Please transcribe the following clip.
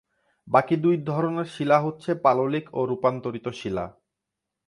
বাকি দুই ধরণের শিলা হচ্ছে পাললিক ও রূপান্তরিত শিলা।